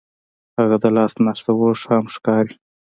هغه د لاس نښه اوس هم ښکاري.